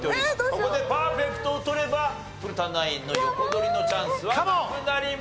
ここでパーフェクトを取れば古田ナインの横取りのチャンスはなくなります。